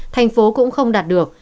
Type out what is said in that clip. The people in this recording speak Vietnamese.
thành phố cũng không đạt được